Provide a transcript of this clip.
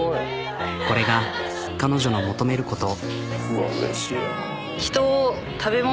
これが彼女の求めること。